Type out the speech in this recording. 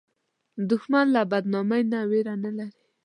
دښمن له بدنامۍ نه ویره نه لري